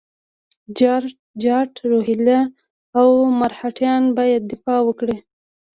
جاټ، روهیله او مرهټیان باید دفاع وکړي.